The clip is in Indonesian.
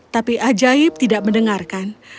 tapi ajaib tidak mendengarkan